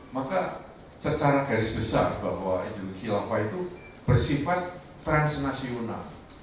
maka secara garis besar bahwa hidup di hilang itu bersifat transnasional